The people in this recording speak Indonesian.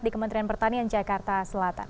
di kementerian pertanian jakarta selatan